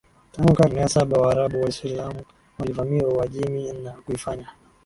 Tangu karne ya saba Waarabu Waislamu walivamia Uajemi na kuifanya